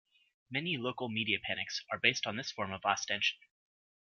Many local media panics are based in this form of ostension.